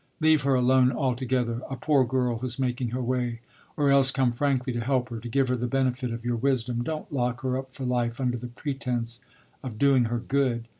Leave her alone altogether a poor girl who's making her way or else come frankly to help her, to give her the benefit of your wisdom. Don't lock her up for life under the pretence of doing her good.